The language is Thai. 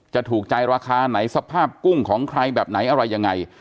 จะถูกใจราคาไหนสภาพกุ้งของใครแบบไหนอะไรยังไง